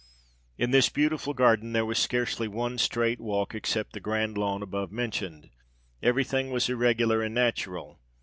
In this beautiful gar den, there was scarcely one straight walk, except the grand lawn above mentioned : every thing was irregular and natural.